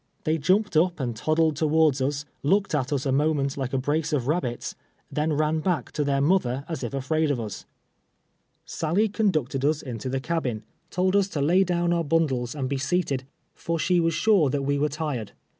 They jumped uj) and toddU d towards us, looked at us a moment like a l)race of rabljits, then ran back to their mother as if afraid of us. Sally conducted us into the cabin, told us to lay down AKRIVAL AT IVLVSTER FORd's. 95 onr 1 ) undies and be scaled, for slie was sure that we were tired.